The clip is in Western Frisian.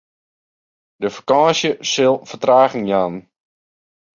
De fakânsje sil fertraging jaan.